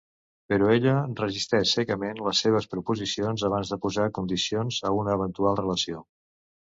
Però ella resisteix secament les seves proposicions abans de posar condicions a una eventual relació.